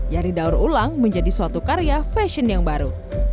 yang didaur ulang menjadi suatu karya fashion yang baru